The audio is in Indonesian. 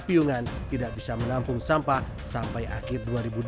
piungan tidak bisa menampung sampah sampai akhir dua ribu dua puluh